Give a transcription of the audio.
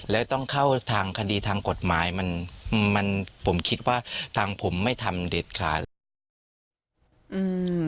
แล้วต้องเข้าทางคดีทางกฎหมายมันมันผมคิดว่าทางผมไม่ทำเด็ดขาดแล้วอืม